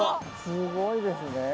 すごいですね。